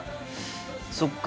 そっか